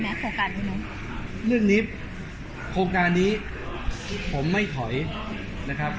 โครงการนี้เนอะเรื่องนี้โครงการนี้ผมไม่ถอยนะครับ